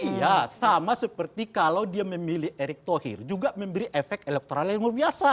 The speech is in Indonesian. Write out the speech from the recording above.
iya sama seperti kalau dia memilih erick thohir juga memberi efek elektoral yang luar biasa